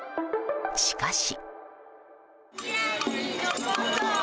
しかし。